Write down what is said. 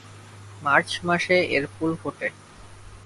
March মাসে এর ফুল ফোটে।